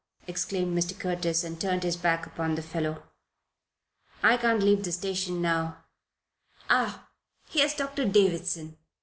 exclaimed Mr. Curtis, and turned his back upon the fellow. "I can't leave the station now Ah! here's Doctor Davison.